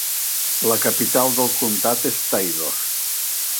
La capital del comtat és Taylor.